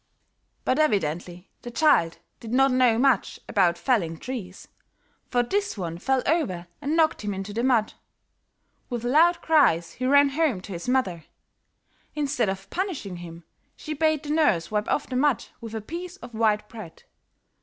But evidently the child did not know much about felling trees, for this one fell over and knocked him into the mud. With loud cries, he ran home to his mother. Instead of punishing him, she bade the nurse wipe off the mud with a piece of white bread.